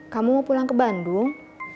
kamu mau pulang ke bandung